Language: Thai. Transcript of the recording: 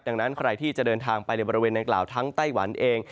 ดังนั้นใครที่จะเดินทางไปในบริเวณดังกล่าวทั้งไต้หวันเอง